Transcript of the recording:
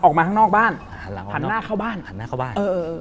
ออกมาข้างนอกบ้านหันหน้าเข้าบ้าน